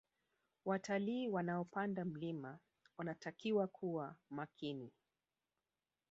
Watalii wanaopanda mlima wanatakiwa kuwa makini